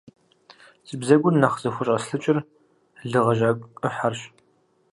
Си бзэгур нэхъ зыхущӀэслъыкӀыр лы гъэжьа Ӏыхьэрщ.